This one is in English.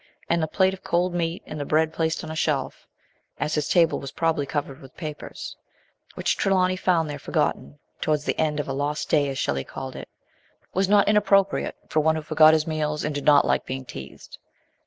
and the plate of cold meat and bread placed on a shelf, as his table was probaby covered with papers which Trelawny found there forgotten, towards the end of a " lost day " as Shelley called it was not inappropriate for one who forgot his meals and did not like being teased.